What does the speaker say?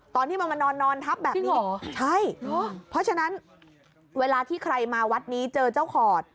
ตอนที่มันมานอนนอนทับแบบนี้ใช่เพราะฉะนั้นเวลาที่ใครมาวัดนี้เจอเจ้าขอด